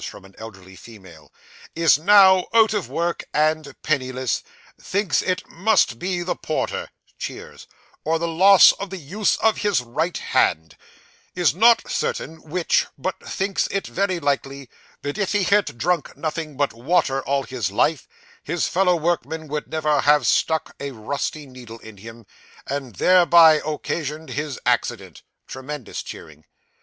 from an elderly female). Is now out of work and penniless; thinks it must be the porter (cheers) or the loss of the use of his right hand; is not certain which, but thinks it very likely that, if he had drunk nothing but water all his life, his fellow workman would never have stuck a rusty needle in him, and thereby occasioned his accident (tremendous cheering).